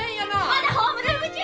まだホームルーム中！